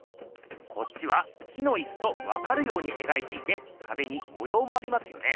こっちは木のいすとわかるように描いていてかべにもようもありますよね。